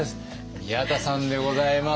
宮田さんでございます。